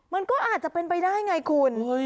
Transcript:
มันก็อาจจะเป็นไปได้ไงคุณ